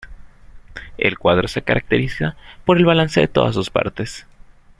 El cuadro se caracteriza por el balance de todas sus partes.